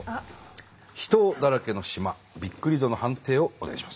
秘湯だらけの島びっくり度の判定をお願いします。